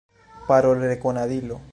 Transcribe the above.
Parolrekonadilo.